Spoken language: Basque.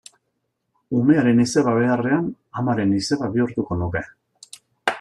Umearen izeba beharrean, amaren izeba bihurtuko nuke.